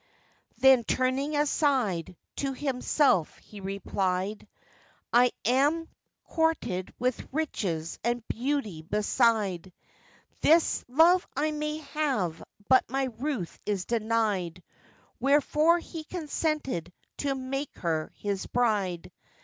Then, turning aside, to himself he replied, 'I am courted with riches and beauty beside; This love I may have, but my Ruth is denied.' Wherefore he consented to make her his bride.